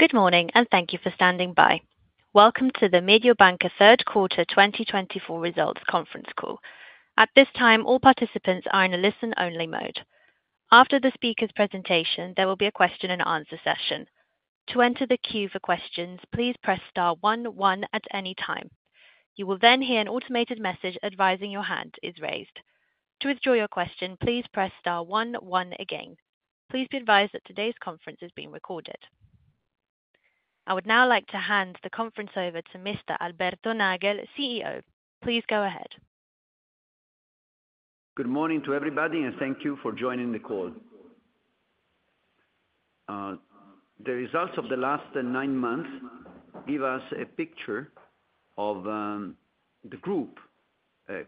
Good morning and thank you for standing by. Welcome to the Mediobanca Third Quarter 2024 Results Conference Call. At this time, all participants are in a listen-only mode. After the speaker's presentation, there will be a question-and-answer session. To enter the queue for questions, please press star one one at any time. You will then hear an automated message advising your hand is raised. To withdraw your question, please press star one one again. Please be advised that today's conference is being recorded. I would now like to hand the conference over to Mr. Alberto Nagel, CEO. Please go ahead. Good morning to everybody, and thank you for joining the call. The results of the last nine months gave us a picture of the group,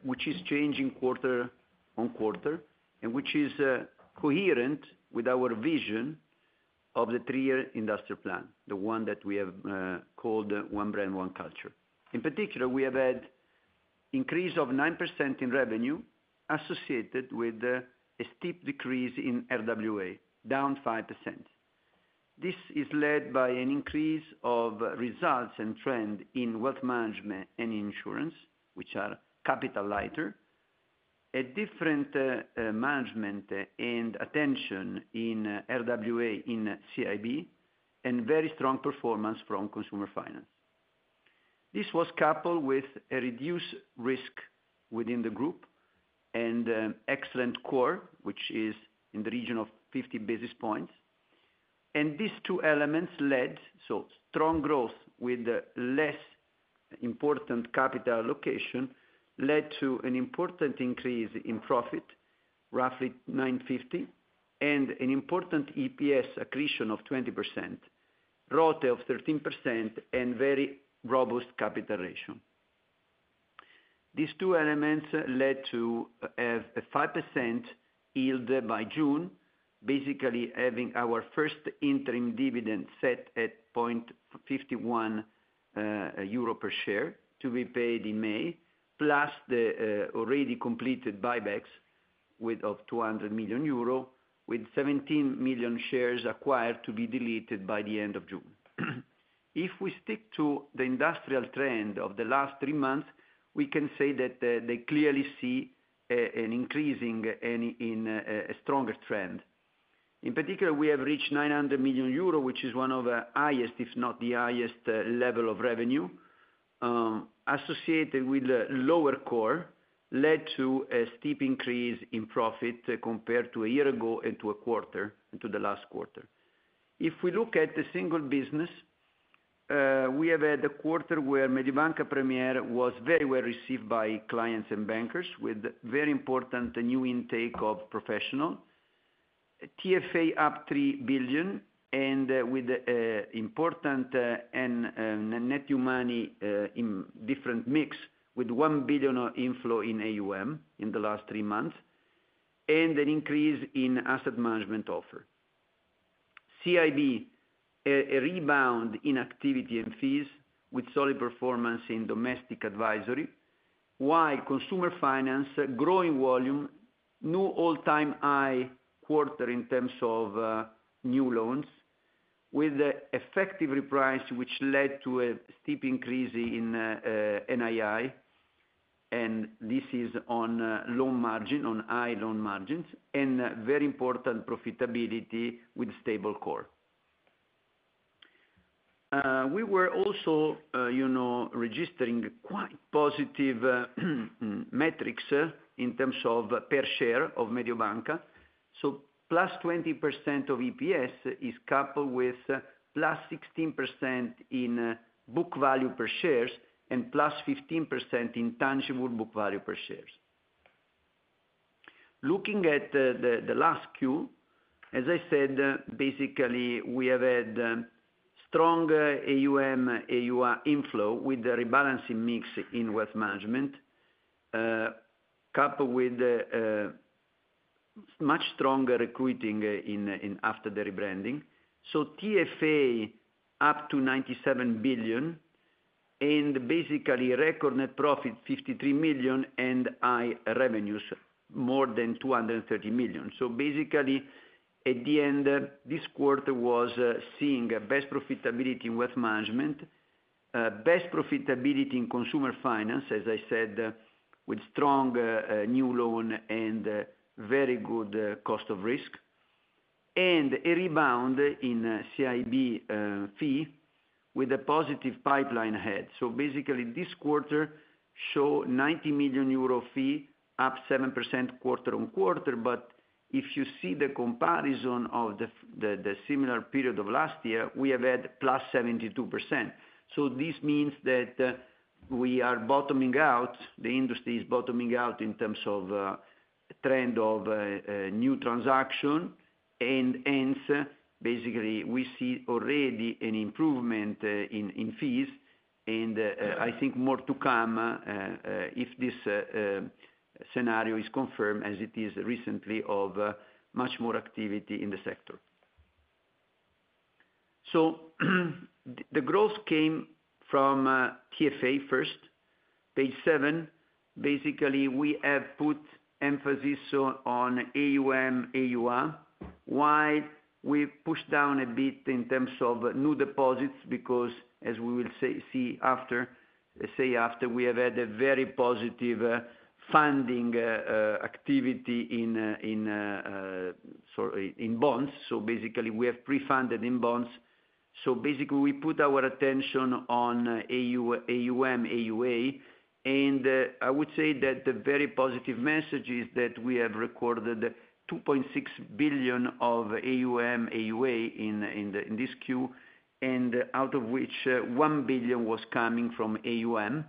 which is changing quarter-over-quarter and which is coherent with our vision of the 3-year industry plan, the one that we have called One Brand, One Culture. In particular, we have had an increase of 9% in revenue associated with a steep decrease in RWA, down 5%. This is led by an increase of results and trend in wealth management and insurance, which are capital lighter, a different management and attention in RWA in CIB, and very strong performance from consumer finance. This was coupled with a reduced risk within the group and excellent CoR, which is in the region of 50 basis points. These two elements led to such strong growth with less important capital allocation, led to an important increase in profit, roughly 950 million, and an important EPS accretion of 20%, ROTA of 13%, and very robust capital ratio. These two elements led to a 5% yield by June, basically having our first interim dividend set at 0.51 euro per share to be paid in May, plus the already completed buybacks of 200 million euro, with 17 million shares acquired to be deleted by the end of June. If we stick to the industrial trend of the last three months, we can say that they clearly see an increasing and a stronger trend. In particular, we have reached 900 million euro, which is one of the highest, if not the highest, level of revenue, associated with a lower CoR led to a steep increase in profit compared to a year ago and to a quarter and to the last quarter. If we look at the single business, we have had a quarter where Mediobanca Premier was very well received by clients and bankers with very important new intake of professional, TFA up 3 billion and, with, important, and, net new money, in different mix with 1 billion of inflow in AUM in the last three months and an increase in asset management offer. CIB, a rebound in activity and fees with solid performance in domestic advisory, while consumer finance, growing volume, new all-time high quarter in terms of new loans with effective reprice which led to a steep increase in NII, and this is on loan margin, on high loan margins, and very important profitability with stable CoR. We were also, you know, registering quite positive metrics in terms of per share of Mediobanca. So +20% of EPS is coupled with +16% in book value per shares and +15% in tangible book value per shares. Looking at the last quarter, as I said, basically we have had strong AUM, AUA inflow with a rebalancing mix in wealth management, coupled with much stronger recruiting in after the rebranding. So TFA up to 97 billion and basically record net profit 53 million and high revenues more than 230 million. So basically at the end this quarter was seeing best profitability in wealth management, best profitability in consumer finance, as I said, with strong new loan and very good cost of risk, and a rebound in CIB fee with a positive pipeline ahead. So basically this quarter showed 90 million euro fee up 7% quarter-on-quarter, but if you see the comparison of the similar period of last year, we have had +72%. So this means that we are bottoming out, the industry is bottoming out in terms of trend of new transaction, and hence basically we see already an improvement in fees, and I think more to come, if this scenario is confirmed as it is recently of much more activity in the sector. So the growth came from TFA first, page 7. Basically we have put emphasis on AUM, AUA, while we pushed down a bit in terms of new deposits because, as we will see after, we have had a very positive funding activity in bonds. So basically we have pre-funded in bonds. So basically we put our attention on AUM, AUA, and I would say that the very positive message is that we have recorded 2.6 billion of AUM, AUA in this quarter, and out of which 1 billion was coming from AUM,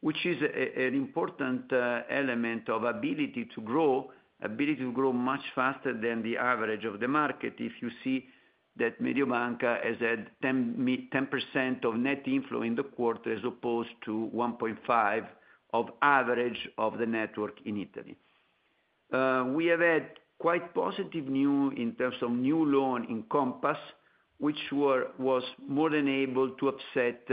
which is an important element of ability to grow much faster than the average of the market if you see that Mediobanca has had 10% of net inflow in the quarter as opposed to 1.5% of average of the network in Italy. We have had quite positive news in terms of new loans in Compass, which was more than able to offset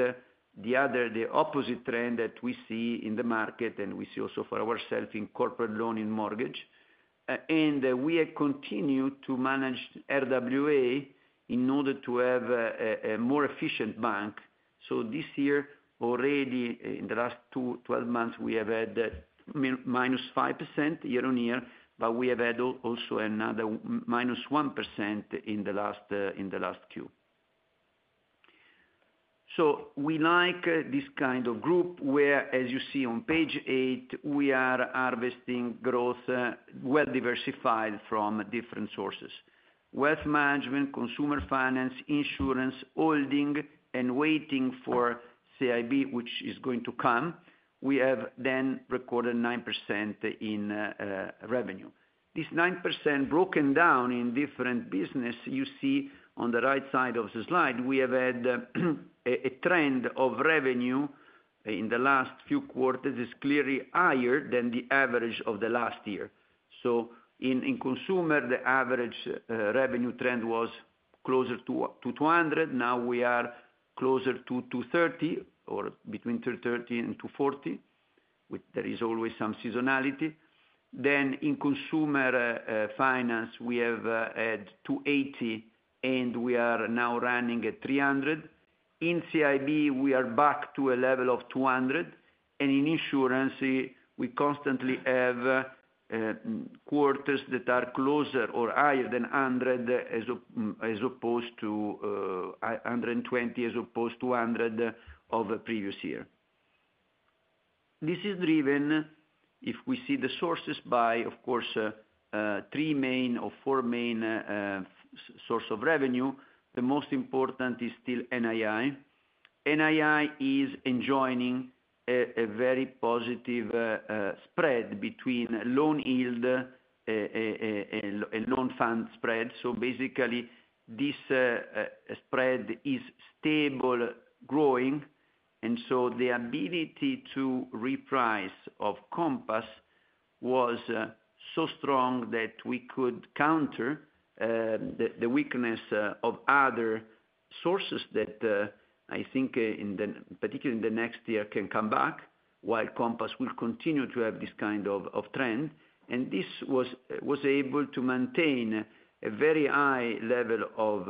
the other, the opposite trend that we see in the market and we see also for ourselves in corporate loan and mortgage. We have continued to manage RWA in order to have a more efficient bank. This year already in the last 12 months we have had -5% year-on-year, but we have had also another -1% in the last quarter. We like this kind of growth where, as you see on page 8, we are harvesting growth, well diversified from different sources. Wealth Management, Consumer Finance, Insurance, Holding, and waiting for CIB, which is going to come, we have then recorded 9% in revenue. This 9% broken down in different businesses, you see on the right side of the slide, we have had a trend of revenue in the last few quarters is clearly higher than the average of the last year. So in consumer the average revenue trend was closer to 200 million, now we are closer to 230 million or between 230 million and 240 million, with there is always some seasonality. Then in consumer finance we had 280 million and we are now running at 300 million. In CIB we are back to a level of 200 million, and in insurance we constantly have quarters that are closer or higher than 120 million as opposed to 100 million of previous year. This is driven if we see the sources by, of course, three main or four main sources of revenue. The most important is still NII. NII is enjoying a very positive spread between loan yield and funding spread. So basically this spread is stable growing, and so the ability to reprice of Compass was so strong that we could counter the weakness of other sources that I think particularly in the next year can come back while Compass will continue to have this kind of trend. And this was able to maintain a very high level of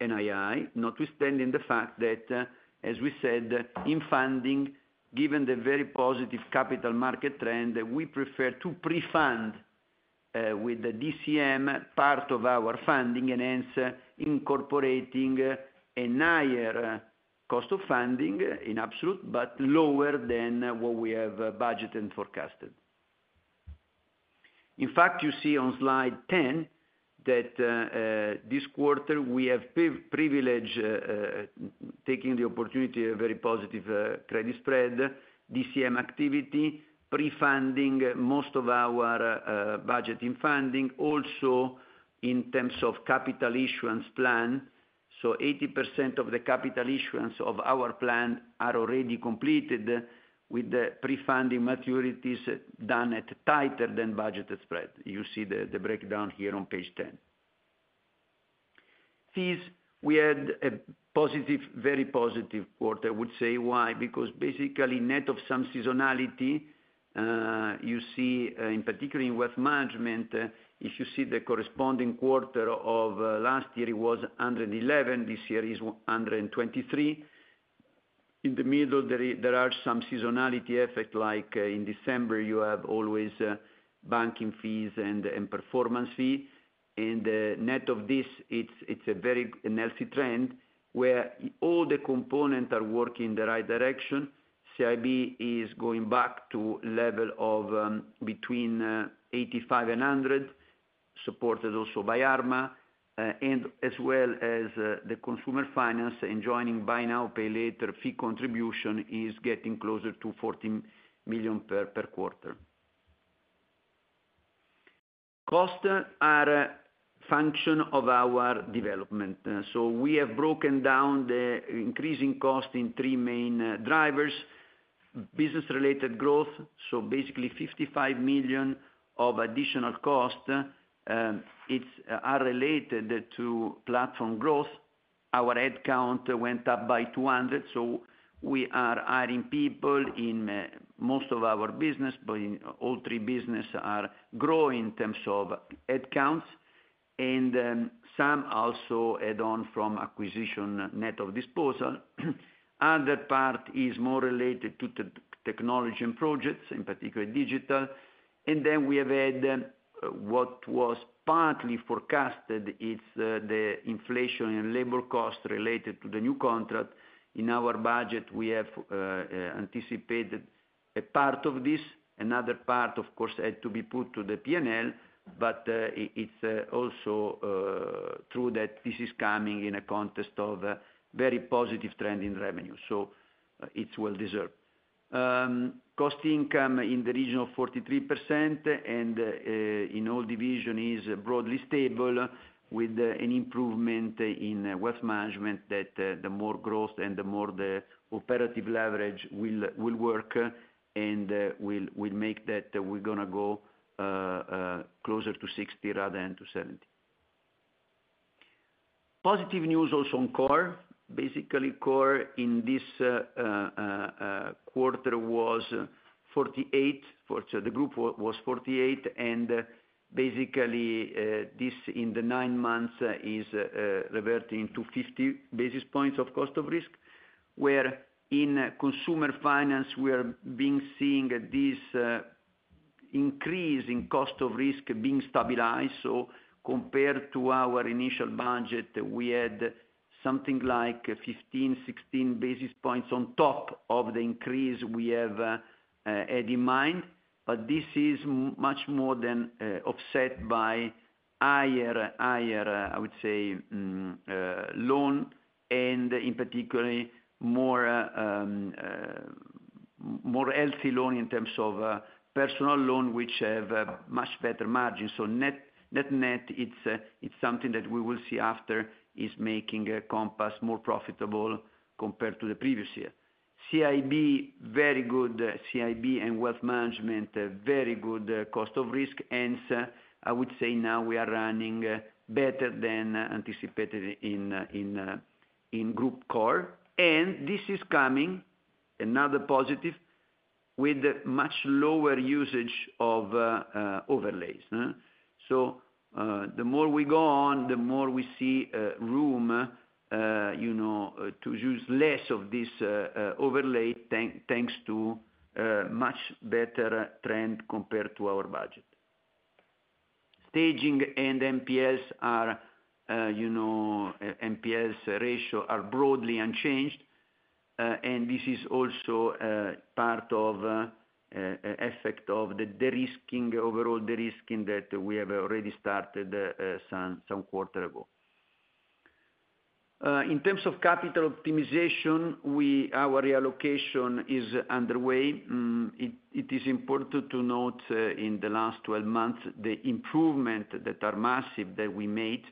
NII, notwithstanding the fact that, as we said, in funding, given the very positive capital market trend, we prefer to pre-fund with the DCM part of our funding and hence incorporating a higher cost of funding in absolute but lower than what we have budgeted and forecasted. In fact, you see on Slide 10 that this quarter we have privileged taking the opportunity of a very positive credit spread DCM activity, pre-funding most of our budgeting funding, also in terms of capital issuance plan. So 80% of the capital issuance of our plan are already completed with the pre-funding maturities done at tighter than budgeted spread. You see the breakdown here on page 10. Fees, we had a positive very positive quarter. I would say why? Because basically net of some seasonality, you see, in particular in wealth management, if you see the corresponding quarter of last year it was 111 million, this year is 123 million. In the middle there are some seasonality effects like, in December you have always banking fees and performance fees, and net of this it's a very healthy trend where all the components are working in the right direction. CIB is going back to levels of 85 million-100 million, supported also by Arma, and as well as the Consumer Finance enjoying buy now pay later fee contribution is getting closer to 14 million per quarter. Costs are a function of our development. So we have broken down the increasing costs in three main drivers. Business-related growth, so basically 55 million of additional costs are related to platform growth. Our headcount went up by 200, so we are hiring people in most of our businesses, but all three businesses are growing in terms of headcounts, and some also add-ons from acquisition net of disposal. Other part is more related to technology and projects, in particular digital, and then we have had, what was partly forecasted, it's the inflation and labor cost related to the new contract. In our budget we have anticipated a part of this. Another part, of course, had to be put to the P&L, but it's also true that this is coming in a context of a very positive trend in revenue, so it's well deserved. Cost-income in the region of 43% and in all division is broadly stable with an improvement in wealth management that the more growth and the more the operative leverage will work and will make that we're going to go closer to 60% rather than to 70%. Positive news also on CoR. Basically, CoR in this quarter was 48% for the group, was 48%, and basically, this in the nine months is reverting to 50 basis points of cost of risk, where in consumer finance we are being seeing this increase in cost of risk being stabilized. So compared to our initial budget we had something like 15, 16 basis points on top of the increase we have had in mind, but this is much more than offset by higher, higher, I would say, loans and in particular more, more healthy loans in terms of personal loans which have much better margin. So net, net, net it's, it's something that we will see after is making Compass more profitable compared to the previous year. CIB, very good. CIB and wealth management, very good cost of risk, hence I would say now we are running better than anticipated in, in, in group CoR. This is coming, another positive, with much lower usage of overlays. So, the more we go on, the more we see room, you know, to use less of this overlay, thanks to much better trend compared to our budget. Staging and NPLs are, you know, NPLs ratio are broadly unchanged, and this is also part of effect of the de-risking, overall the de-risking that we have already started some quarter ago. In terms of capital optimization, our reallocation is underway. It is important to note, in the last 12 months, the improvement that are massive that we made.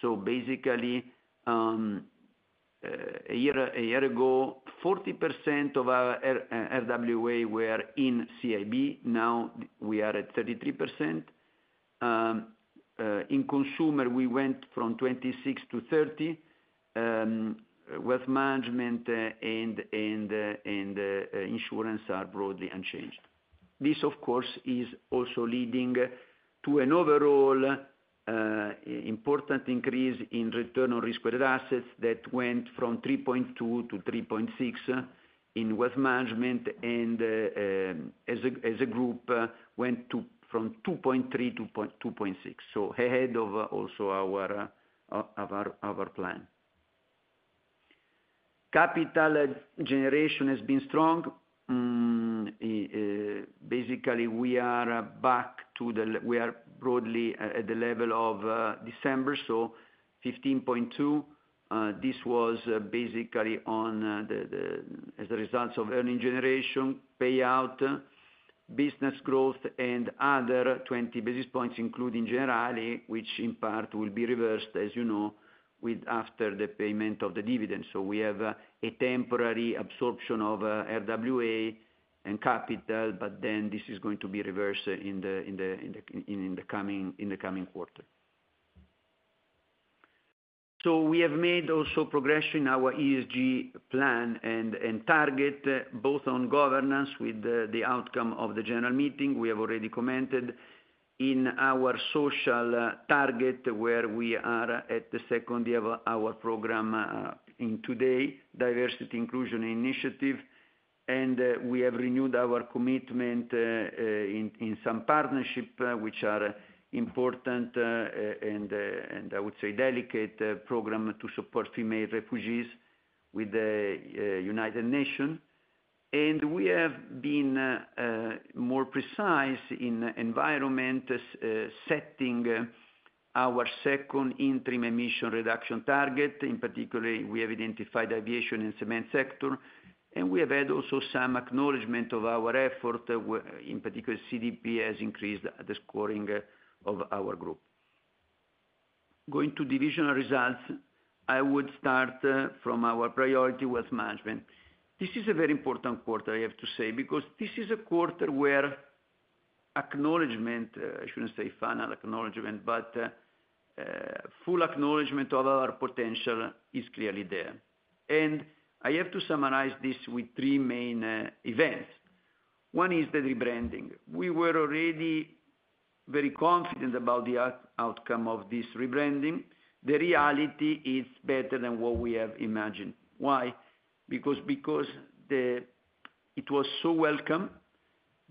So basically, a year ago, 40% of our RWA were in CIB, now we are at 33%. In consumer we went from 26% to 30%. Wealth Management, and insurance are broadly unchanged. This, of course, is also leading to an overall, important increase in return on risk-weighted assets that went from 3.2% to 3.6% in wealth management and, as a group, went from 2.3% to 2.6%, so ahead of our plan. Capital generation has been strong. Basically we are broadly at the level of December, so 15.2%. This was basically as a result of earning generation, payout, business growth, and other 20 basis points including Generali, which in part will be reversed as you know after the payment of the dividend. So we have a temporary absorption of RWA and capital, but then this is going to be reversed in the coming quarter. So we have made progress in our ESG plan and target both on governance with the outcome of the general meeting we have already commented. In our social target where we are at the second year of our program, in today's diversity inclusion initiative, and we have renewed our commitment in some partnership which are important, and I would say delicate program to support female refugees with the United Nations. We have been more precise in environmental setting our second interim emission reduction target. In particular we have identified aviation and cement sector, and we have had also some acknowledgment of our effort where in particular CDP has increased the scoring of our group. Going to divisional results, I would start from our priority wealth management. This is a very important quarter I have to say because this is a quarter where acknowledgment, I shouldn't say final acknowledgment, but full acknowledgment of our potential is clearly there. And I have to summarize this with three main events. One is the rebranding. We were already very confident about the outcome of this rebranding. The reality it's better than what we have imagined. Why? Because that it was so welcome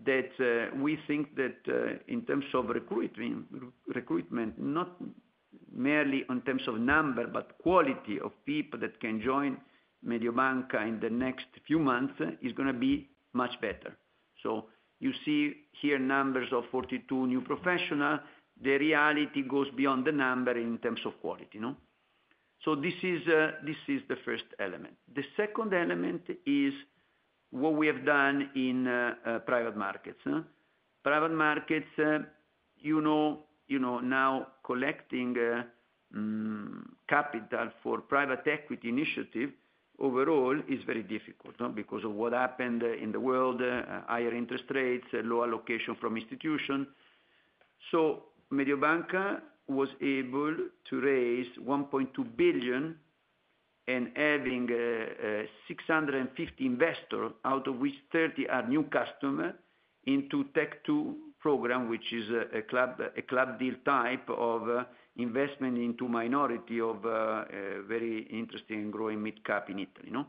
that we think that in terms of recruitment, not merely in terms of number but quality of people that can join Mediobanca in the next few months is going to be much better. So you see here numbers of 42 new professionals. The reality goes beyond the number in terms of quality, no? So this is the first element. The second element is what we have done in private markets. Private markets, you know, you know now collecting capital for private equity initiative overall is very difficult, no? Because of what happened in the world, higher interest rates, low allocation from institution. So Mediobanca was able to raise 1.2 billion and having 650 investors, out of which 30 are new customers, into TEC 2 program which is a club, a club deal type of investment into minority of very interesting and growing mid-cap in Italy, no?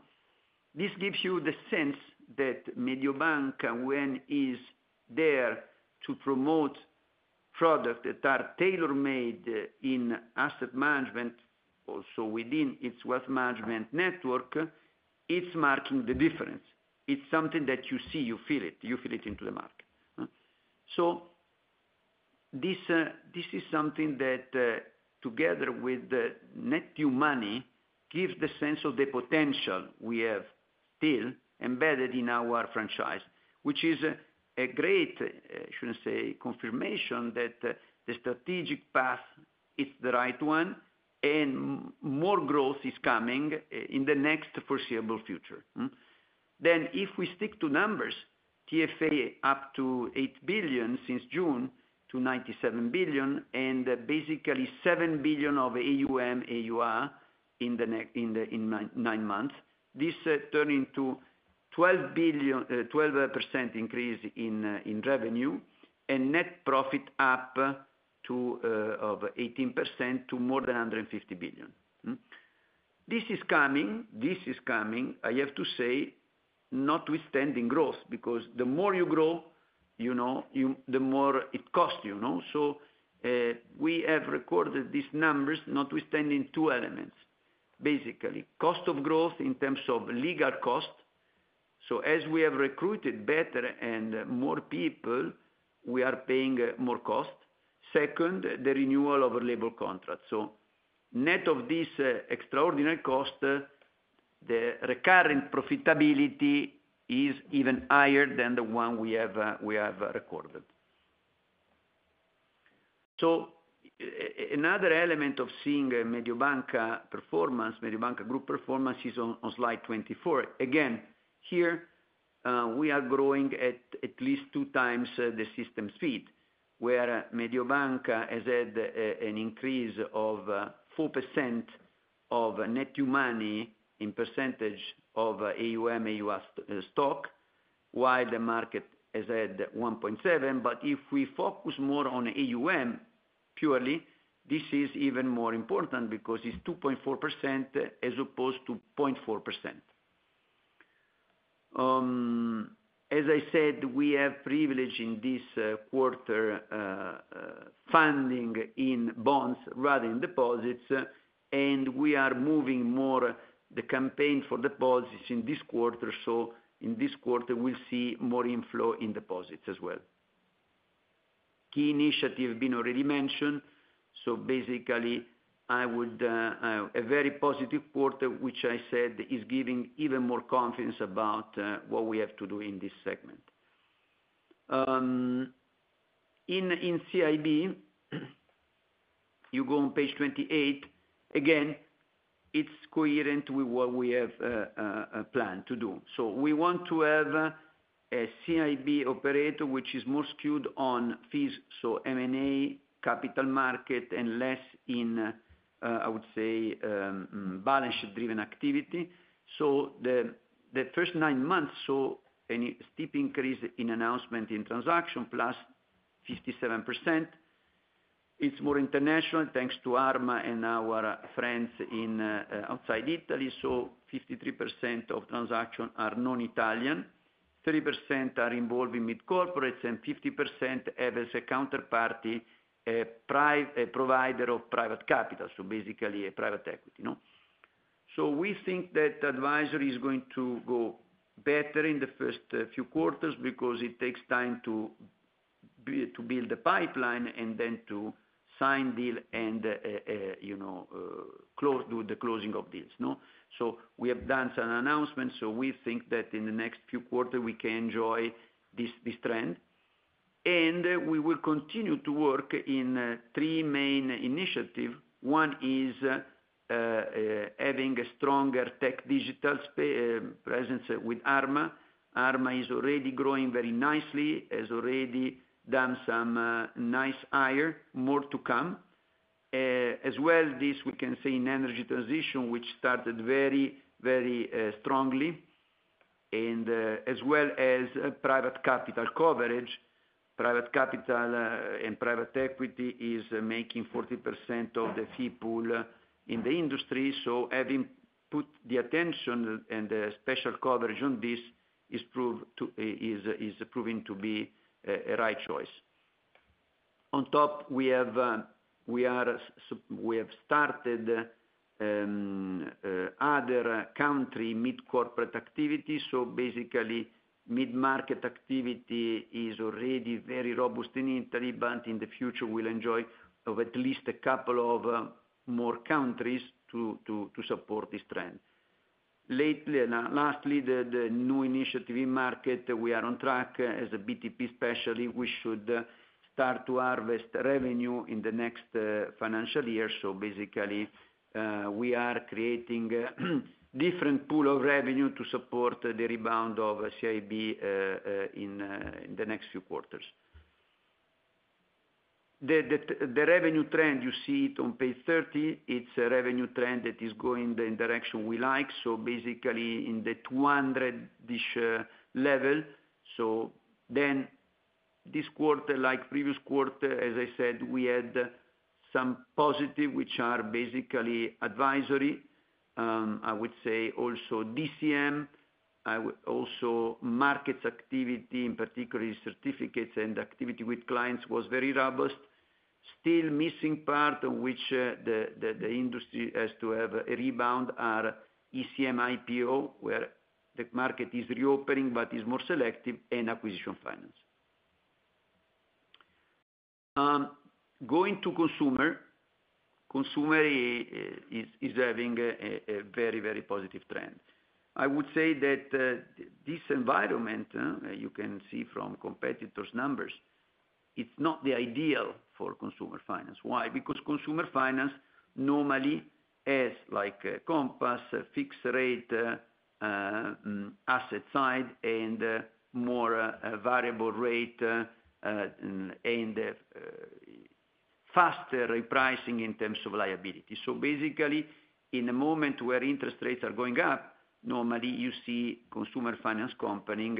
This gives you the sense that Mediobanca when is there to promote products that are tailor-made in asset management, also within its wealth management network, it's marking the difference. It's something that you see, you feel it, you feel it into the market, no? So this is something that, together with the net new money, gives the sense of the potential we have still embedded in our franchise, which is a great, I shouldn't say confirmation that the strategic path it's the right one and more growth is coming in the next foreseeable future, no? Then if we stick to numbers, TFA up 8 billion since June to 97 billion and basically 7 billion of AUM, AUA in the next nine months, this turned into 12 billion, 12% increase in revenue and net profit up 18% to more than 150 billion, no? This is coming, this is coming, I have to say, notwithstanding growth because the more you grow, you know, you the more it costs you, no? So, we have recorded these numbers notwithstanding two elements, basically. Cost of growth in terms of legal cost. So, as we have recruited better and more people, we are paying more cost. Second, the renewal of our labor contract. So, net of this extraordinary cost, the recurrent profitability is even higher than the one we have, we have recorded. So, another element of seeing Mediobanca performance, Mediobanca group performance, is on Slide 24. Again, here, we are growing at least two times the system speed, where Mediobanca has had an increase of 4% of net new money in percentage of AUM, AUA stock, while the market has had 1.7%. But if we focus more on AUM purely, this is even more important because it's 2.4% as opposed to 0.4%. As I said, we have privilege in this quarter, funding in bonds rather than deposits, and we are moving more the campaign for deposits in this quarter, so in this quarter we'll see more inflow in deposits as well. Key initiative been already mentioned. So basically I would, a very positive quarter which I said is giving even more confidence about what we have to do in this segment. In CIB, you go on page 28, again it's coherent with what we have planned to do. So we want to have a CIB operator which is more skewed on fees, so M&A, capital market, and less in I would say balance sheet-driven activity. So the first nine months saw any steep increase in announcement in transaction plus 57%. It's more international thanks to Arma and our friends in, outside Italy, so 53% of transactions are non-Italian, 30% are involved in mid-corporates, and 50% have as a counterparty a private provider of private capital, so basically a private equity, no? So we think that advisory is going to go better in the first few quarters because it takes time to build the pipeline and then to sign deals and, you know, close, do the closing of deals, no? So we have done some announcements so we think that in the next few quarters we can enjoy this, this trend. And we will continue to work in three main initiatives. One is, having a stronger tech digital presence with Arma. Arma is already growing very nicely, has already done some nice hires, more to come. As well, this we can say in energy transition which started very, very, strongly. As well as private capital coverage. Private capital, and private equity is making 40% of the fee pool in the industry, so having put the attention and the special coverage on this is proving to be a right choice. On top, we have started other country mid-corporate activity. So basically, mid-market activity is already very robust in Italy, but in the future we'll enjoy of at least a couple of more countries to support this trend. Lastly, the new initiative in market, we are on track as a BTP specialist. We should start to harvest revenue in the next financial year. So basically, we are creating different pool of revenue to support the rebound of CIB in the next few quarters. The revenue trend you see it on page 30. It's a revenue trend that is going in the direction we like. So basically in the 200-ish level. So then this quarter like previous quarter as I said we had some positive which are basically advisory. I would say also DCM. I would also markets activity in particularly certificates and activity with clients was very robust. Still missing part on which the industry has to have a rebound are ECM IPO where the market is reopening but is more selective and acquisition finance. Going to consumer, consumer is having a very, very positive trend. I would say that this environment you can see from competitors numbers it's not the ideal for consumer finance. Why? Because consumer finance normally has like Compass, fixed rate, asset side, and more variable rate, and faster repricing in terms of liability. So basically in a moment where interest rates are going up normally you see consumer finance company,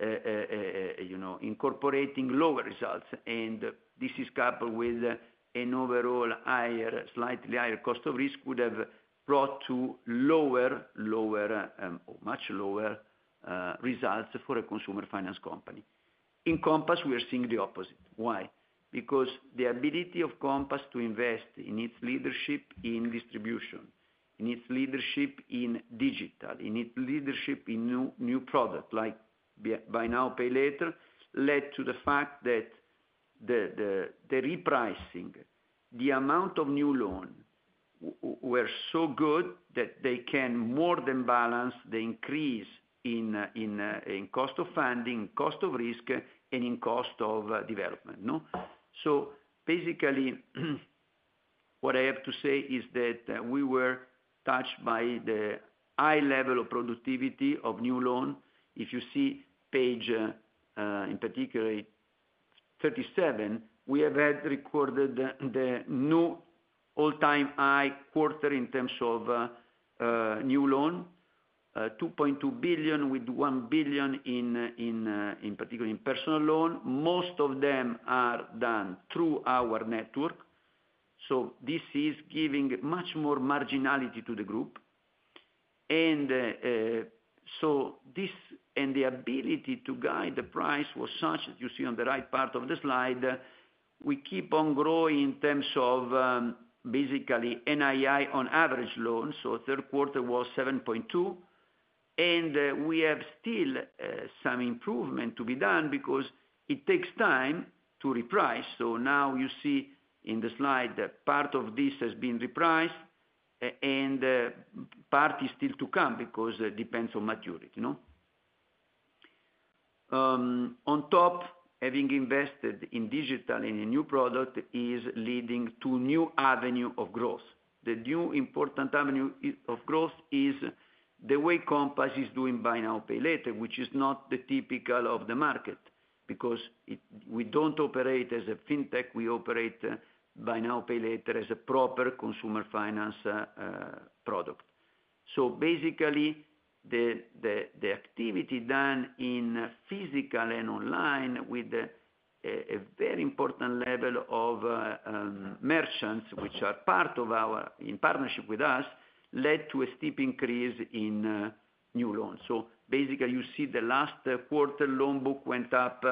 you know, incorporating lower results. This is coupled with an overall higher, slightly higher cost of risk would have brought to lower, lower, or much lower, results for a consumer finance company. In Compass we are seeing the opposite. Why? Because the ability of Compass to invest in its leadership in distribution, in its leadership in digital, in its leadership in new product like buy now pay later led to the fact that the repricing, the amount of new loan were so good that they can more than balance the increase in cost of funding, cost of risk, and in cost of development, no? So basically what I have to say is that we were touched by the high level of productivity of new loan. If you see page in particular, 37, we have had recorded the new all-time high quarter in terms of new loan. 2.2 billion with 1 billion in particular in personal loan. Most of them are done through our network. So this is giving much more marginality to the group. So this and the ability to guide the price was such that you see on the right part of the slide we keep on growing in terms of basically NII on average loan. So third quarter was 7.2%. And we have still some improvement to be done because it takes time to reprice. So now you see in the slide part of this has been repriced and part is still to come because it depends on maturity, no? On top having invested in digital in a new product is leading to new avenue of growth. The new important avenue of growth is the way Compass is doing buy now pay later which is not the typical of the market because we don't operate as a fintech. We operate buy now pay later as a proper consumer finance product. So basically the activity done in physical and online with a very important level of merchants which are part of our partnerships with us led to a steep increase in new loans. So basically you see the last quarter loan book went up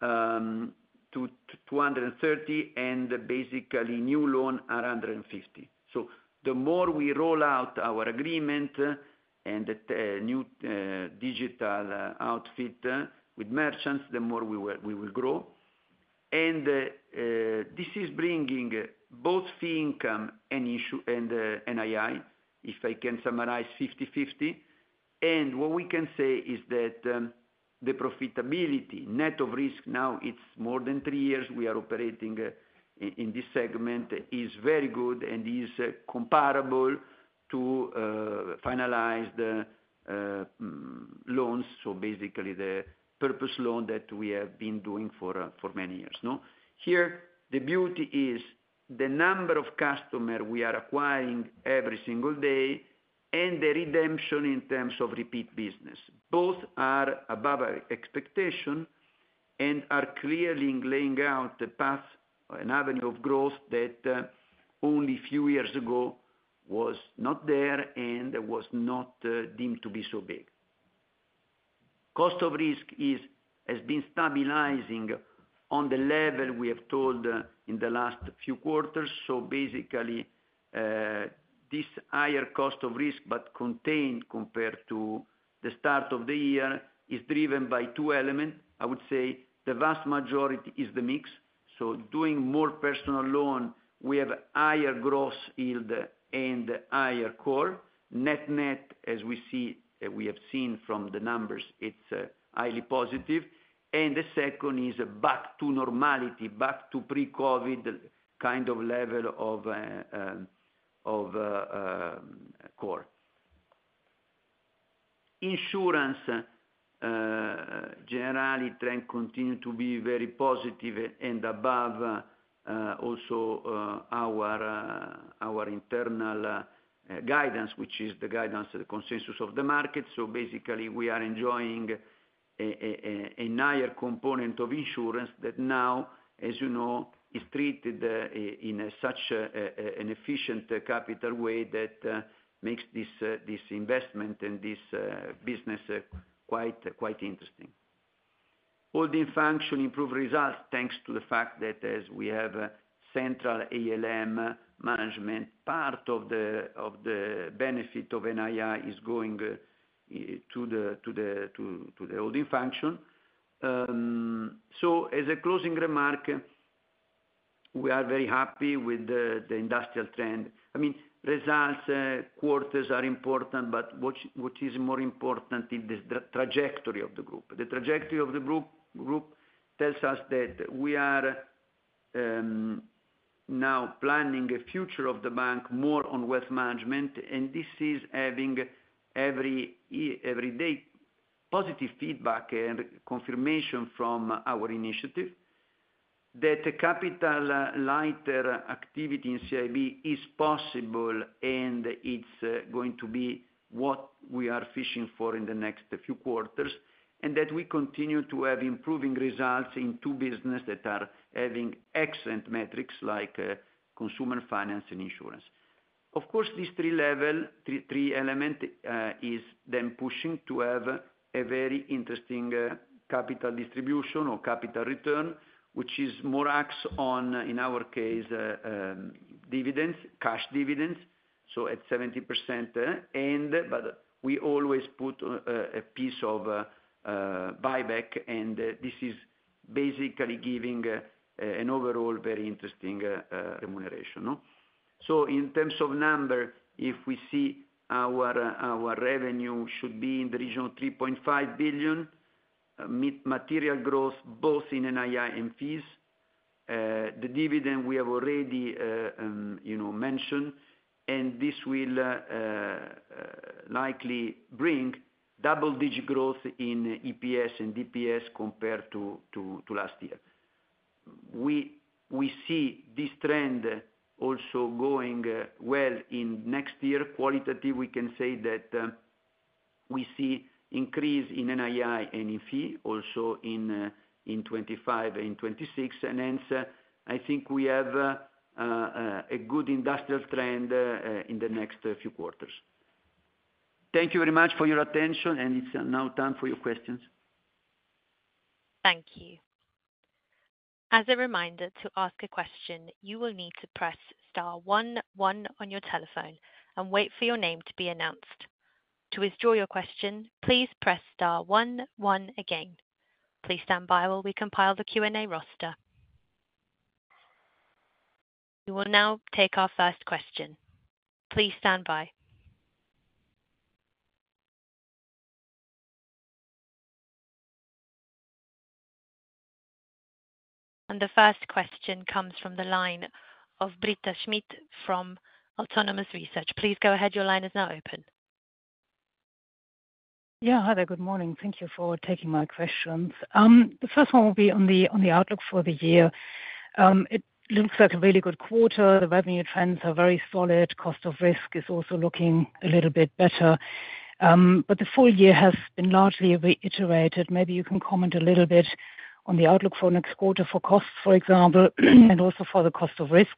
to 230 and basically new loans are 150. So the more we roll out our agreement and the new digital outfit with merchants the more we will grow. And this is bringing both fee income and NII if I can summarize 50/50. And what we can say is that the profitability net of risk, now it's more than three years we are operating in this segment, is very good and is comparable to finalized loans. So basically the purpose loan that we have been doing for many years, no? Here the beauty is the number of customer we are acquiring every single day and the redemption in terms of repeat business. Both are above expectation and are clearly laying out the path, an avenue of growth that only few years ago was not there and was not deemed to be so big. Cost of risk has been stabilizing on the level we have told in the last few quarters. So basically, this higher cost of risk but contained compared to the start of the year is driven by two elements. I would say the vast majority is the mix. So doing more personal loan we have higher gross yield and higher CoR. Net-net as we see we have seen from the numbers it's highly positive. And the second is back to normality, back to pre-COVID kind of level of CoR. Insurance generally trend continue to be very positive and above also our internal guidance which is the guidance, the consensus of the market. So basically we are enjoying a higher component of insurance that now as you know is treated in such an efficient capital way that makes this investment and this business quite interesting. Holding function improved results thanks to the fact that as we have central ALM management part of the benefit of NII is going to the holding function. So as a closing remark we are very happy with the industrial trend. I mean, results, quarters are important but what, what is more important is the trajectory of the group. The trajectory of the group, group tells us that we are now planning a future of the bank more on wealth management and this is having every day positive feedback and confirmation from our initiative. That capital lighter activity in CIB is possible and it's going to be what we are fishing for in the next few quarters. And that we continue to have improving results in two business that are having excellent metrics like consumer finance and insurance. Of course this three level, three element is then pushing to have a very interesting capital distribution or capital return which is more based on in our case dividends, cash dividends. So at 70% and but we always put a piece of buyback and this is basically giving an overall very interesting remuneration, no? So in terms of number if we see our revenue should be in the region of 3.5 billion. Material growth both in NII and fees. The dividend we have already, you know, mentioned and this will likely bring double-digit growth in EPS and DPS compared to last year. We see this trend also going well in next year. Qualitatively we can say that we see increase in NII and in fee also in 2025 and 2026. And hence I think we have a good industrial trend in the next few quarters. Thank you very much for your attention and it's now time for your questions. Thank you. As a reminder to ask a question you will need to press star one one on your telephone and wait for your name to be announced. To withdraw your question please press star one one again. Please stand by while we compile the Q&A roster. We will now take our first question. Please stand by. The first question comes from the line of Britta Schmidt from Autonomous Research. Please go ahead, your line is now open. Yeah, hi there. Good morning. Thank you for taking my questions. The first one will be on the outlook for the year. It looks like a really good quarter. The revenue trends are very solid. Cost of risk is also looking a little bit better. But the full year has been largely reiterated. Maybe you can comment a little bit on the outlook for next quarter for costs for example and also for the cost of risk.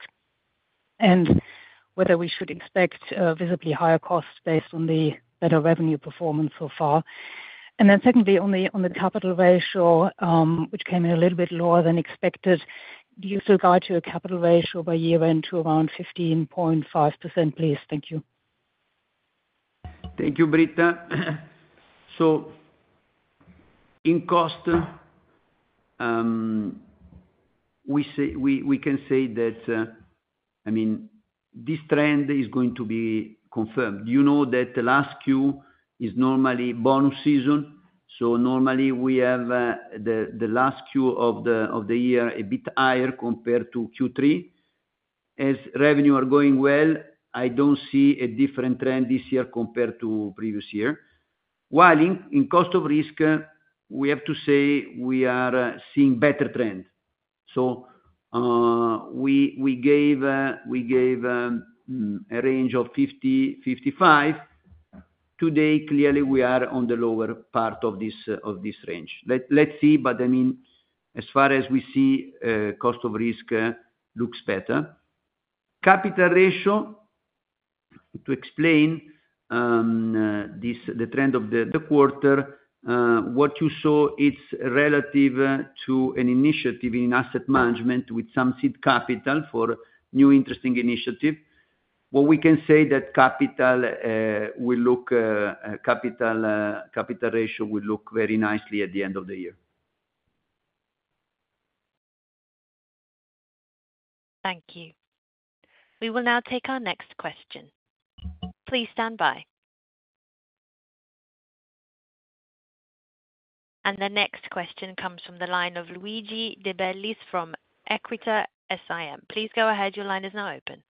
And whether we should expect visibly higher costs based on the better revenue performance so far. And then secondly on the capital ratio, which came in a little bit lower than expected. Do you still guide to a capital ratio by year-end to around 15.5% please? Thank you. Thank you Britta. So in cost, we can say that, I mean, this trend is going to be confirmed. You know that the last Q is normally bonus season. So normally we have the last Q of the year a bit higher compared to Q3. As revenue are going well I don't see a different trend this year compared to previous year. While in cost of risk we have to say we are seeing better trend. So, we gave a range of 50%-55%. Today clearly we are on the lower part of this range. Let's see but I mean as far as we see cost of risk looks better. Capital ratio, to explain, this the trend of the quarter, what you saw it's relative to an initiative in asset management with some seed capital for new interesting initiative. What we can say that capital ratio will look very nicely at the end of the year. Thank you. We will now take our next question. Please stand by. The next question comes from the line of Luigi De Bellis from Equita SIM. Please go ahead, your line is now open.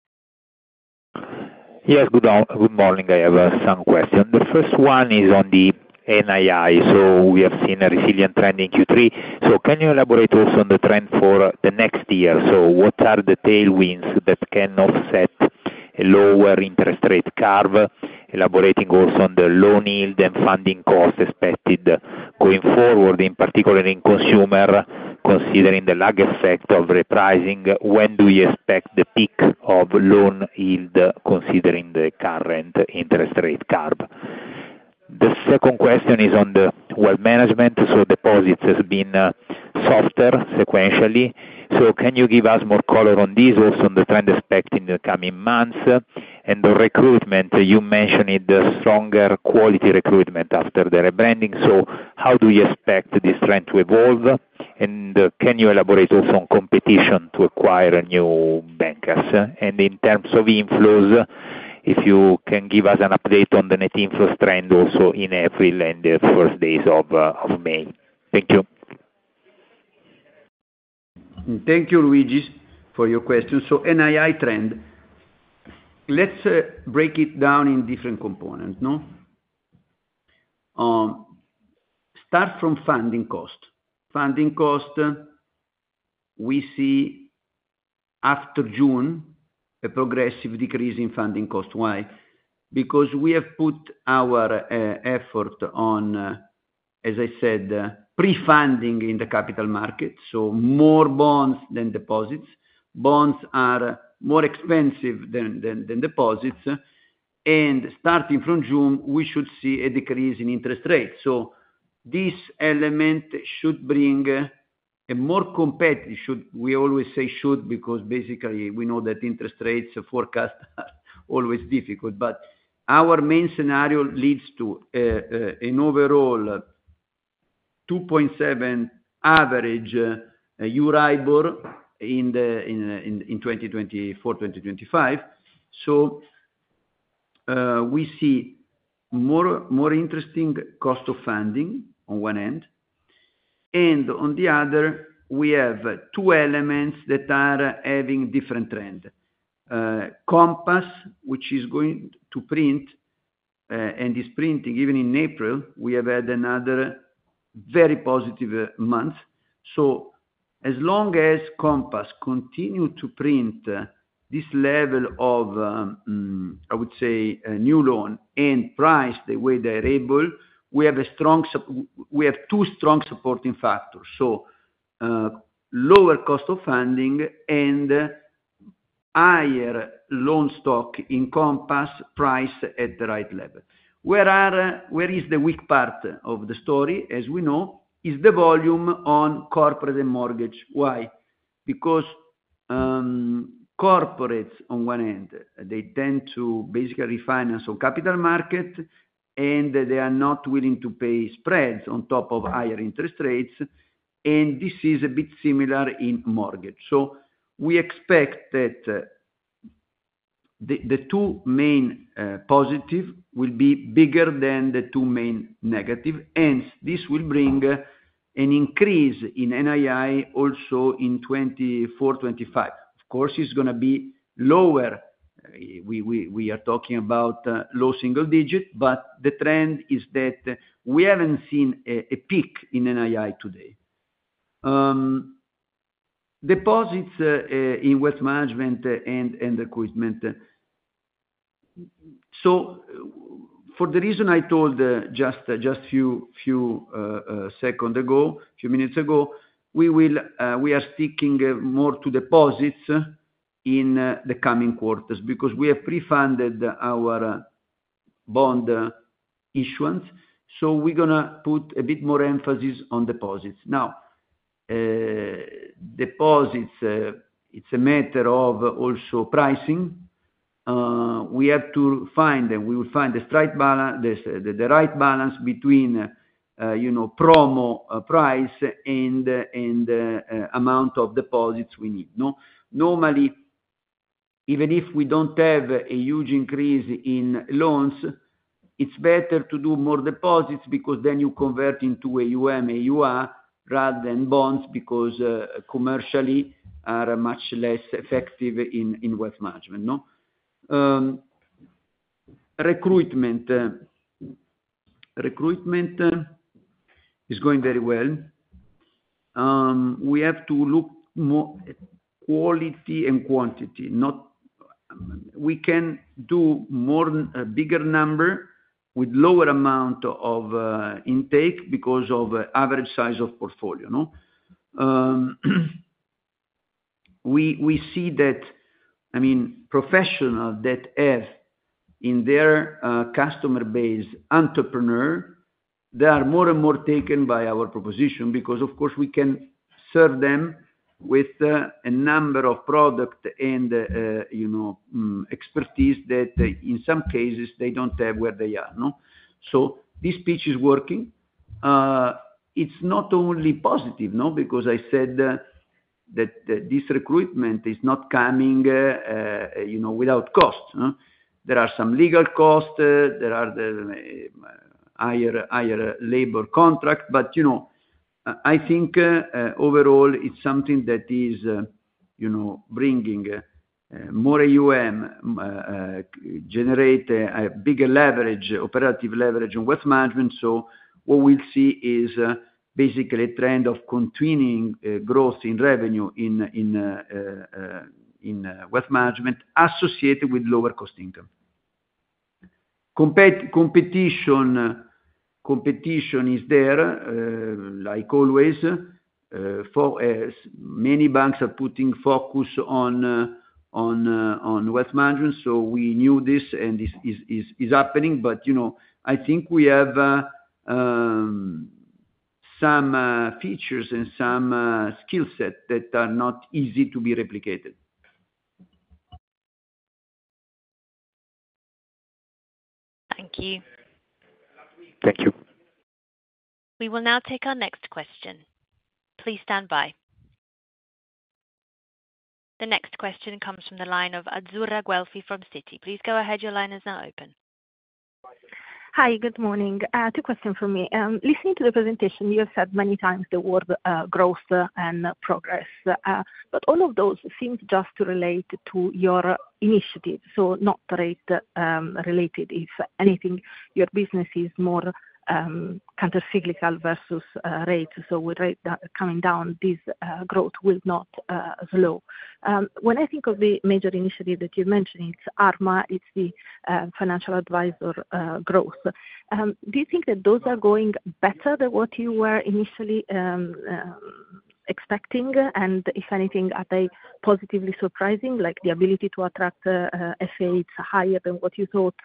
Yes, good morning. I have some question. The first one is on the NII. So we have seen a resilient trend in Q3. So can you elaborate also on the trend for the next year? So what are the tailwinds that can offset a lower interest rate curve? Elaborating also on the loan yield and funding cost expected going forward in particular in consumer considering the lag effect of repricing. When do we expect the peak of loan yield considering the current interest rate curve? The second question is on the wealth management. So deposits have been softer sequentially. So can you give us more color on this also on the trend expected in the coming months? And the recruitment, you mentioned stronger quality recruitment after the rebranding. So how do you expect this trend to evolve? And can you elaborate also on competition to acquire new bankers? In terms of inflows if you can give us an update on the net inflows trend also in April and the first days of May? Thank you. Thank you, Luigi, for your question. So, NII trend, let's break it down in different components, no? Start from funding cost. Funding cost, we see after June a progressive decrease in funding cost. Why? Because we have put our effort on, as I said, pre-funding in the capital market. So, more bonds than deposits. Bonds are more expensive than deposits. And starting from June, we should see a decrease in interest rate. So, this element should bring a more competitive, should, we always say should because basically we know that interest rates forecast are always difficult. But our main scenario leads to an overall 2.7 average Euribor in 2024, 2025. So, we see more interesting cost of funding on one end. And on the other, we have two elements that are having different trend. Compass, which is going to print and is printing, even in April we have had another very positive month. So as long as Compass continue to print this level of, I would say, new loan and price the way they're able, we have two strong supporting factors. So lower cost of funding and higher loan stock in Compass price at the right level. Where is the weak part of the story as we know? Is the volume on corporate and mortgage. Why? Because corporates on one end they tend to basically refinance on capital market and they are not willing to pay spreads on top of higher interest rates. And this is a bit similar in mortgage. So we expect that the two main positive will be bigger than the two main negative. Hence this will bring an increase in NII also in 2024, 2025. Of course it's going to be lower. We are talking about low single digit but the trend is that we haven't seen a peak in NII today. Deposits in wealth management and recruitment. So for the reason I told just a few seconds ago, a few minutes ago, we are sticking more to deposits in the coming quarters because we have pre-funded our bond issuance. So we're going to put a bit more emphasis on deposits. Now, deposits it's a matter of also pricing. We have to find and we will find the right balance between, you know, promo price and amount of deposits we need, no? Normally even if we don't have a huge increase in loans it's better to do more deposits because then you convert into AUM, AUA rather than bonds because commercially are much less effective in wealth management, no? Recruitment. Recruitment is going very well. We have to look more at quality and quantity. We can do a bigger number with lower amount of intake because of average size of portfolio, no? We see that, I mean, professional that have in their customer base entrepreneur they are more and more taken by our proposition because of course we can serve them with a number of product and, you know, expertise that in some cases they don't have where they are, no? So this pitch is working. It's not only positive, no? Because I said that this recruitment is not coming, you know, without cost, no? There are some legal costs. There are higher labor contracts. But, you know, I think overall it's something that is, you know, bringing more AUM, generate a bigger leverage, operative leverage on wealth management. So what we'll see is basically a trend of continuing growth in revenue in wealth management associated with lower cost income. Competition is there like always. Many banks are putting focus on wealth management. So we knew this and this is happening. But, you know, I think we have some features and some skill set that are not easy to be replicated. Thank you. Thank you. We will now take our next question. Please stand by. The next question comes from the line of Azzurra Guelfi from Citi. Please go ahead, your line is now open. Hi, good morning. Two questions for me. Listening to the presentation, you have said many times the word growth and progress. But all of those seem just to relate to your initiative. So, not rate related. If anything, your business is more countercyclical versus rates. So, with rate coming down, this growth will not slow. When I think of the major initiative that you mentioned, it's Arma. It's the financial advisor growth. Do you think that those are going better than what you were initially expecting? And, if anything, are they positively surprising? Like, the ability to attract FA it's higher than what you thought.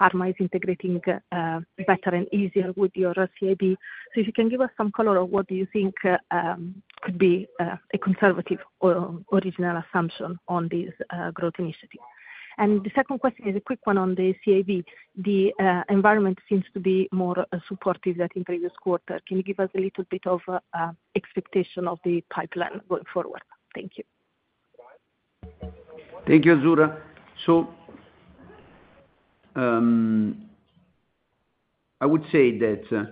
Arma is integrating better and easier with your CIB. So, if you can give us some color on what do you think could be a conservative or original assumption on this growth initiative. And the second question is a quick one on the CIB. The environment seems to be more supportive than in previous quarter. Can you give us a little bit of expectation of the pipeline going forward? Thank you. Thank you Azzurra. So I would say that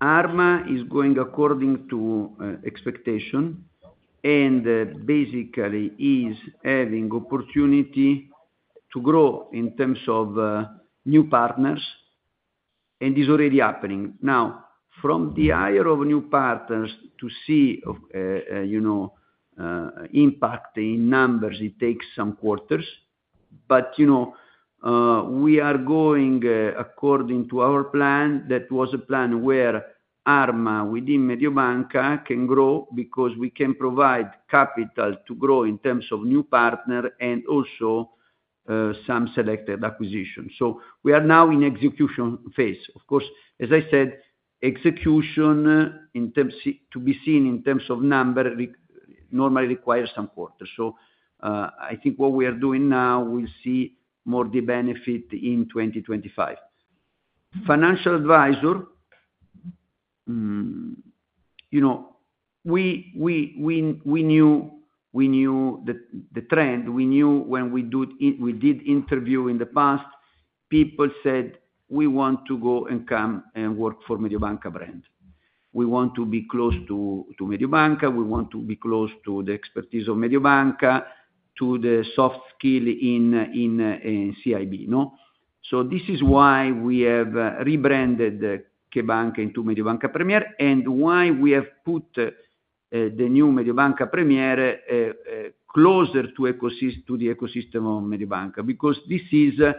Arma is going according to expectation and basically is having opportunity to grow in terms of new partners. And it's already happening. Now, from the hire of new partners to see, you know, impact in numbers it takes some quarters. But, you know, we are going according to our plan that was a plan where Arma within Mediobanca can grow because we can provide capital to grow in terms of new partner and also some selected acquisition. So we are now in execution phase. Of course, as I said, execution to be seen in terms of number normally requires some quarters. So I think what we are doing now we'll see more the benefit in 2025. Financial advisor, you know, we knew the trend. We knew when we did interview in the past people said we want to go and come and work for Mediobanca brand. We want to be close to Mediobanca. We want to be close to the expertise of Mediobanca, to the soft skill in CIB, no? So this is why we have rebranded CheBanca! into Mediobanca Premier and why we have put the new Mediobanca Premier closer to the ecosystem of Mediobanca. Because this is a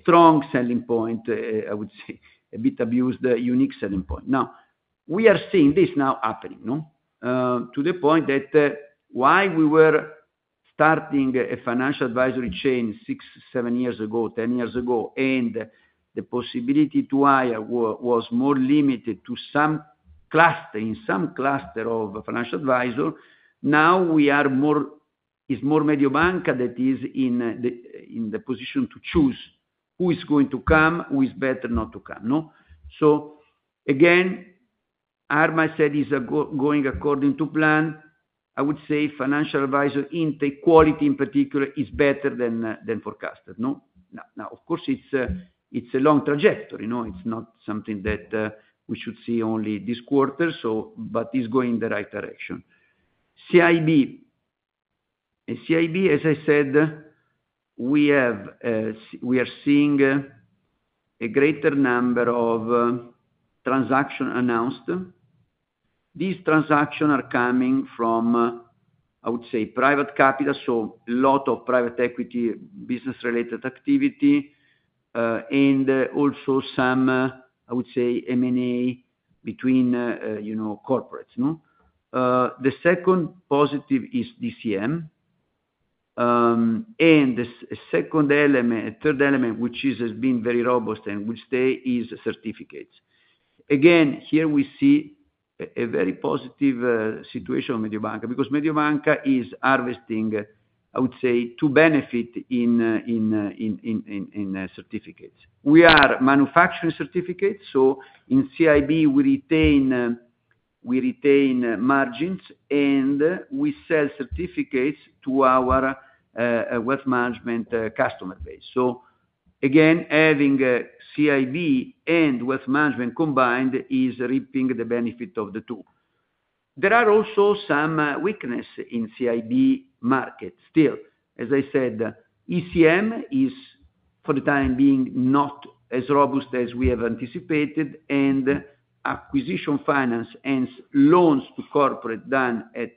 strong selling point I would say. A bit abused unique selling point. Now, we are seeing this now happening, no? To the point that why we were starting a financial advisory chain six, seven years ago, 10 years ago and the possibility to hire was more limited to some cluster in some cluster of financial advisor. Now we are more. It's more Mediobanca that is in the position to choose who is going to come, who is better not to come, no? So again, Arma said it's going according to plan. I would say financial advisor intake quality in particular is better than forecasted, no? Now, of course it's a long trajectory, no? It's not something that we should see only this quarter. But it's going in the right direction. CIB. In CIB as I said we are seeing a greater number of transaction announced. These transaction are coming from I would say private capital. So, a lot of private equity business related activity and also some I would say M&A between, you know, corporates, no? The second positive is DCM. A second element, a third element which has been very robust and will stay is certificates. Again, here we see a very positive situation with Mediobanca. Because Mediobanca is harvesting I would say to benefit in certificates. We are manufacturing certificates. So in CIB we retain margins and we sell certificates to our wealth management customer base. So again, having CIB and wealth management combined is ripping the benefit of the two. There are also some weakness in CIB market still. As I said, ECM is for the time being not as robust as we have anticipated. Acquisition finance hence loans to corporate done at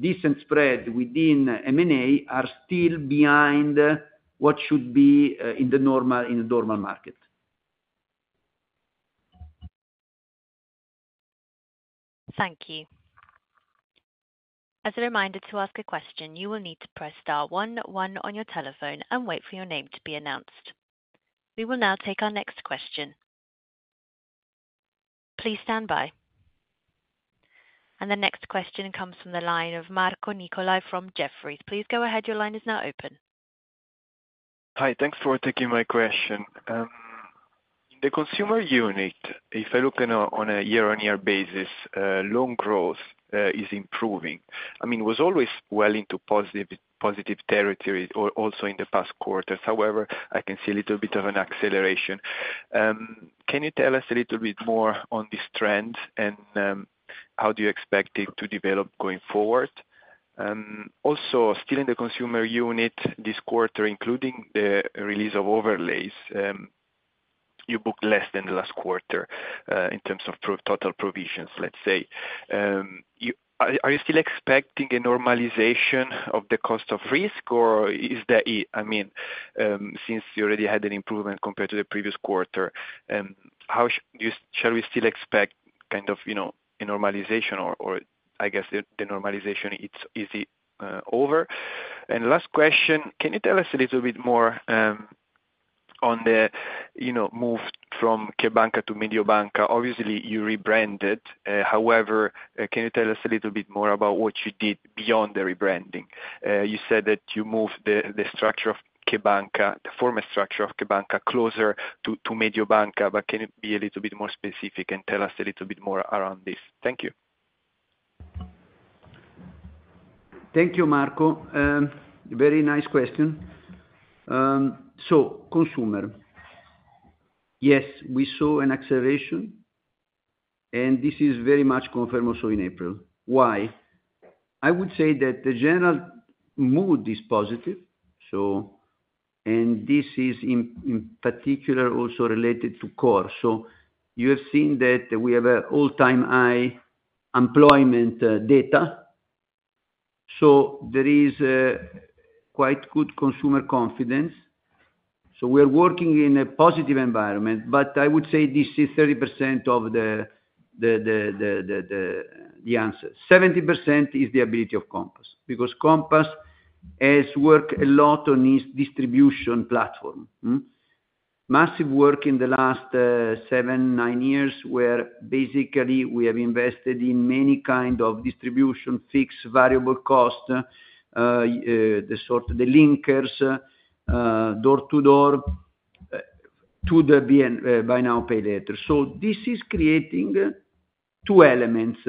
decent spread within M&A are still behind what should be in the normal market. Thank you. As a reminder to ask a question you will need to press star one one on your telephone and wait for your name to be announced. We will now take our next question. Please stand by. The next question comes from the line of Marco Nicolai from Jefferies. Please go ahead, your line is now open. Hi, thanks for taking my question. In the consumer unit, if I look on a year-on-year basis, loan growth is improving. I mean, it was always well into positive territory also in the past quarters. However, I can see a little bit of an acceleration. Can you tell us a little bit more on this trend and how do you expect it to develop going forward? Also, still in the consumer unit, this quarter, including the release of overlays, you booked less than the last quarter in terms of total provisions, let's say. Are you still expecting a normalization of the cost of risk or is that it? I mean, since you already had an improvement compared to the previous quarter, how shall we still expect kind of, you know, a normalization or I guess the normalization is it over? Last question, can you tell us a little bit more on the, you know, move from CheBanca! to Mediobanca? Obviously you rebranded. However, can you tell us a little bit more about what you did beyond the rebranding? You said that you moved the structure of CheBanca! the former structure of CheBanca! closer to Mediobanca. But can you be a little bit more specific and tell us a little bit more around this? Thank you. Thank you, Marco. Very nice question. So consumer. Yes, we saw an acceleration. And this is very much confirmed also in April. Why? I would say that the general mood is positive. And this is in particular also related to CoR. So you have seen that we have an all-time high employment data. So there is quite good consumer confidence. So we are working in a positive environment. But I would say this is 30% of the answer. 70% is the ability of Compass. Because Compass has worked a lot on its distribution platform, no? Massive work in the last 7-9 years where basically we have invested in many kind of distribution fixed variable cost the sort of the linkers door to door to the buy now pay later. So this is creating two elements.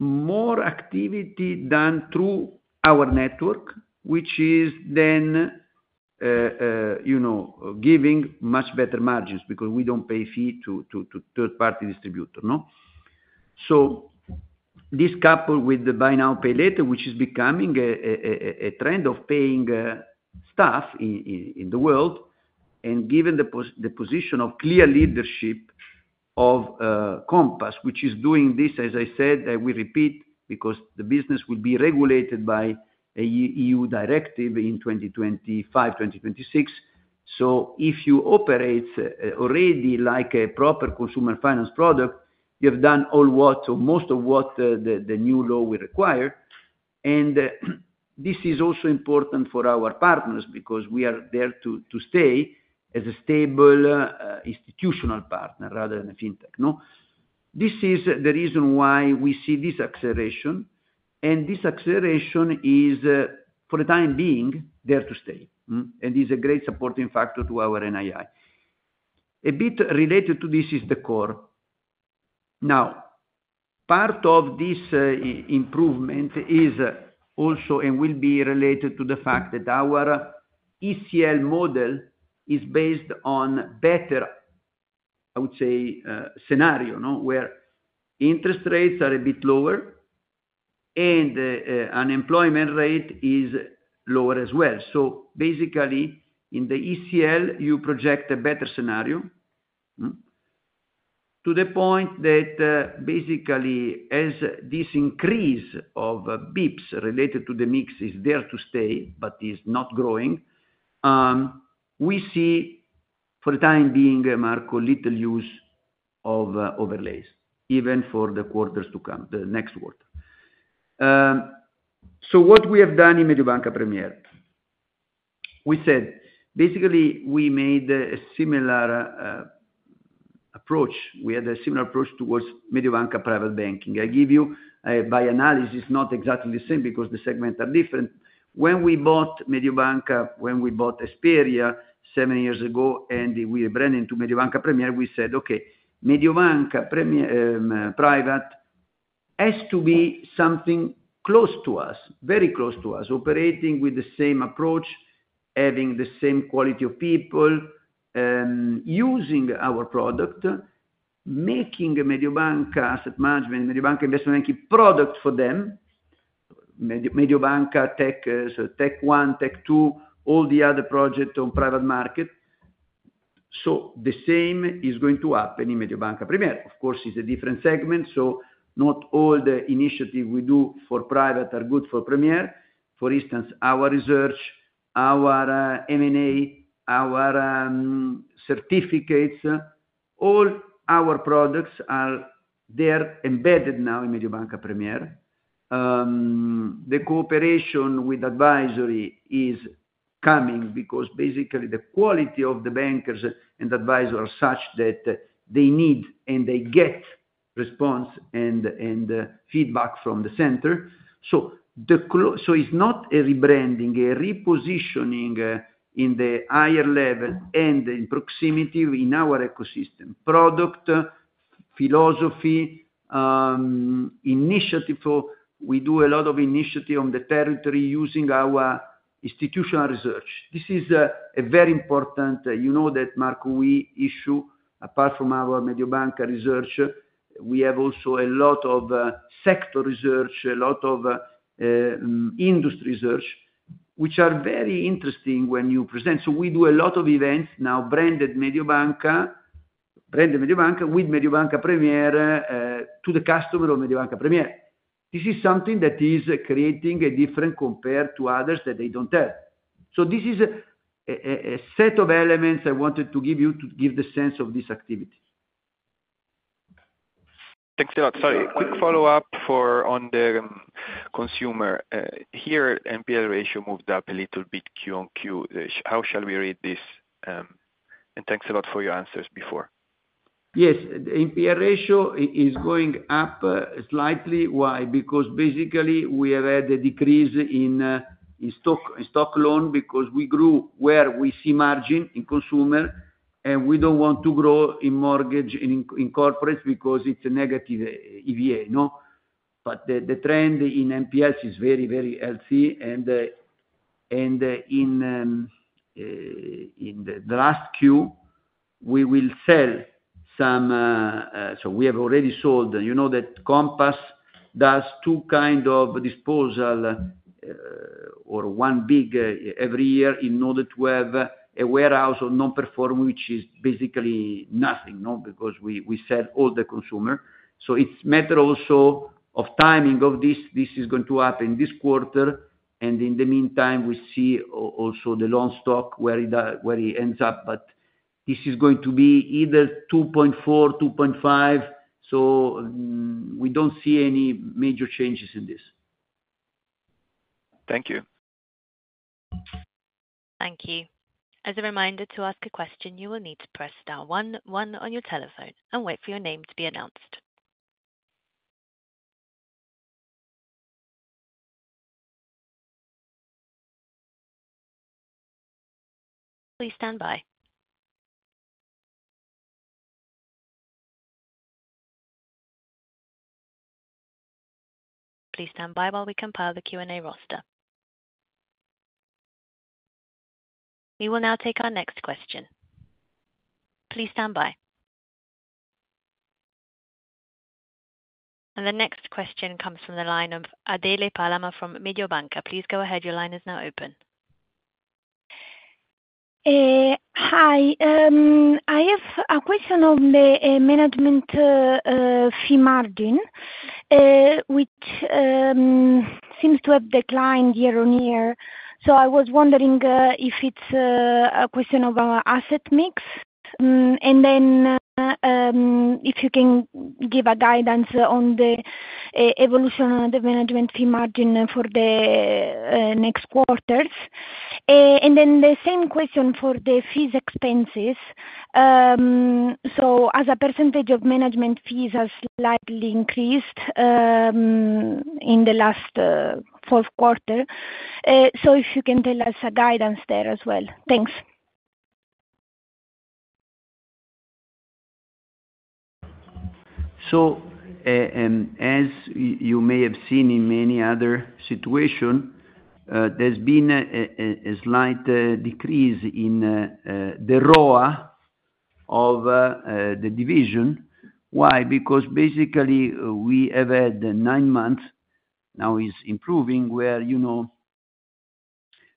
More activity done through our network which is then, you know, giving much better margins. Because we don't pay fee to third-party distributor, no? So this coupled with the buy now pay later which is becoming a trend of paying stuff in the world. And given the position of clear leadership of Compass which is doing this as I said and we repeat because the business will be regulated by an EU directive in 2025, 2026. So if you operate already like a proper consumer finance product you have done all what or most of what the new law will require. And this is also important for our partners. Because we are there to stay as a stable institutional partner rather than a fintech, no? This is the reason why we see this acceleration. This acceleration is for the time being there to stay. It's a great supporting factor to our NII. A bit related to this is the CoR. Now, part of this improvement is also and will be related to the fact that our ECL model is based on better I would say scenario, no? Where interest rates are a bit lower and unemployment rate is lower as well. So basically in the ECL you project a better scenario to the point that basically as this increase of bps related to the mix is there to stay but is not growing we see for the time being Marco little use of overlays even for the quarters to come. The next quarter. So what we have done in Mediobanca Premier we said basically we made a similar approach. We had a similar approach towards Mediobanca Private Banking. I give you by analysis not exactly the same because the segments are different. When we bought CheBanca! seven years ago and we rebranded into Mediobanca Premier, we said, "okay, Mediobanca Private has to be something close to us. Very close to us. Operating with the same approach. Having the same quality of people. Using our product. Making Mediobanca asset management Mediobanca investment banking product for them. Mediobanca TEC so TEC 1, TEC 2. All the other project on private market." So the same is going to happen in Mediobanca Premier. Of course it's a different segment. So not all the initiative we do for private are good for Premier. For instance, our research, our M&A, our certificates all our products are there embedded now in Mediobanca Premier. The cooperation with advisory is coming because basically the quality of the bankers and advisor are such that they need and they get response and feedback from the center. So it's not a rebranding. A repositioning in the higher level and in proximity in our ecosystem. Product, philosophy, initiative we do a lot of initiative on the territory using our institutional research. This is a very important you know that Marco we issue apart from our Mediobanca research we have also a lot of sector research. A lot of industry research which are very interesting when you present. So we do a lot of events now branded Mediobanca branded Mediobanca with Mediobanca Premier to the customer of Mediobanca Premier. This is something that is creating a different compared to others that they don't have. So this is a set of elements I wanted to give you to give the sense of this activity. Thanks a lot. Sorry, quick follow-up on the consumer. Here NPL ratio moved up a little bit QoQ. How shall we read this? And thanks a lot for your answers before. Yes, the NPL ratio is going up slightly. Why? Because basically we have had a decrease in stock loan because we grew where we see margin in consumer. And we don't want to grow in mortgage in corporates because it's a negative EVA, no? But the trend in NPLs is very, very healthy. And in the last Q we will sell some so we have already sold. You know that Compass does two kind of disposal or one big every year in order to have a warehouse of non-performing which is basically nothing, no? Because we sell all the consumer. So it's a matter also of timing of this. This is going to happen this quarter. And in the meantime we see also the loan stock where it ends up. But this is going to be either 2.4%-2.5%. So we don't see any major changes in this. Thank you. Thank you. As a reminder, to ask a question you will need to press star one one on your telephone and wait for your name to be announced. Please stand by. Please stand by while we compile the Q&A roster. We will now take our next question. Please stand by. The next question comes from the line of Adele Palama from Mediobanca. Please go ahead, your line is now open. Hi. I have a question on the management fee margin which seems to have declined year-on-year. So I was wondering if it's a question of our asset mix. And then if you can give a guidance on the evolution of the management fee margin for the next quarters. And then the same question for the fees expenses. So as a percentage of management fees has slightly increased in the last fourth quarter. So if you can tell us a guidance there as well. Thanks. So as you may have seen in many other situation there's been a slight decrease in the ROA of the division. Why? Because basically we have had nine months now it's improving where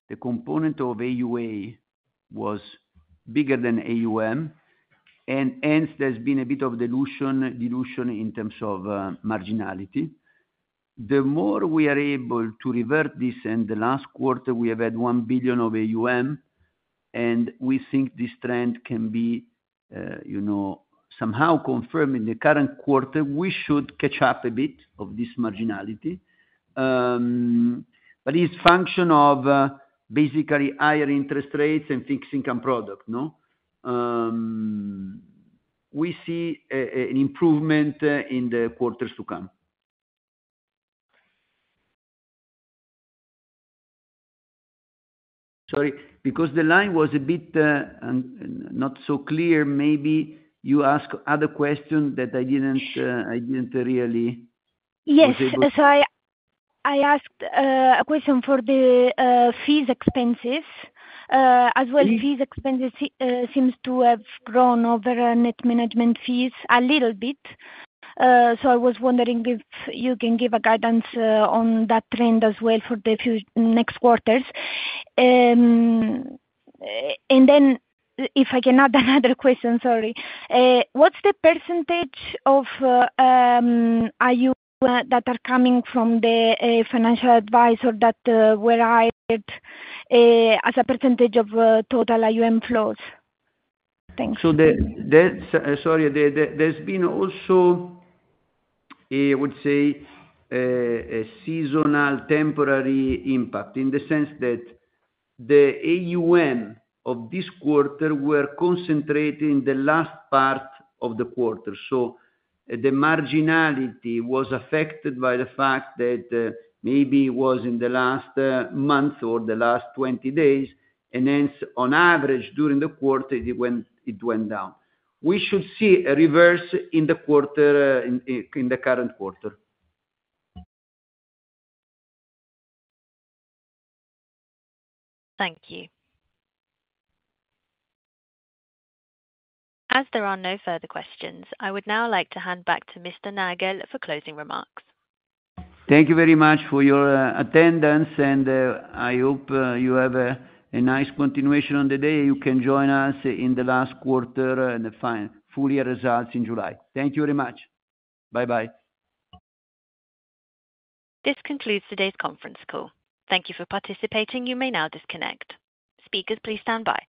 the component of AUA was bigger than AUM. And hence there's been a bit of dilution in terms of marginality. The more we are able to revert this and the last quarter we have had 1 billion of AUM. And we think this trend can be somehow confirmed in the current quarter. We should catch up a bit of this marginality. But it's function of basically higher interest rates and fixed income product, no? We see an improvement in the quarters to come. Sorry, because the line was a bit not so clear maybe you asked other question that I didn't really be able to. Yes, sorry. I asked a question for the fees expenses. As well, fees expenses seems to have grown over net management fees a little bit. So I was wondering if you can give a guidance on that trend as well for the next quarters. And then if I can add another question, sorry. What's the percentage of AUM that are coming from the financial advisor that were hired as a percentage of total AUM flows? Thanks. Sorry, there's also been, I would say, a seasonal temporary impact. In the sense that the AUM of this quarter were concentrated in the last part of the quarter. So the marginality was affected by the fact that maybe it was in the last month or the last 20 days. And hence on average during the quarter it went down. We should see a reverse in the quarter in the current quarter. Thank you. As there are no further questions, I would now like to hand back to Mr. Nagel for closing remarks. Thank you very much for your attendance. I hope you have a nice continuation on the day. You can join us in the last quarter and the full year results in July. Thank you very much. Bye-bye. This concludes today's conference call. Thank you for participating. You may now disconnect. Speakers, please stand by.